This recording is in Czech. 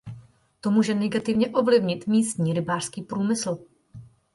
To může negativně ovlivnit místní rybářský průmysl.